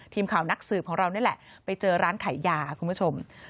นักข่าวนักสืบของเรานี่แหละไปเจอร้านขายยาคุณผู้ชม